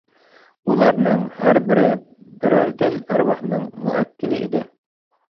ئۇلارنىڭ ھەر بىرى بىرەردىن ئەرۋاھنىڭ مۇئەككىلى ئىدى.